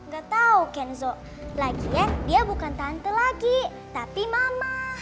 gak tahu kenzo lagian dia bukan tante lagi tapi mama